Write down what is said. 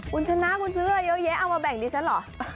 คุณชนะคุณซื้ออะไรเยอะแยะเอามาแบ่งดิฉันเหรอ